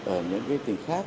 ở những cái tỉnh khác